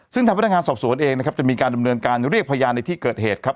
ซึ่งทางพนักงานสอบสวนเองนะครับจะมีการดำเนินการเรียกพยานในที่เกิดเหตุครับ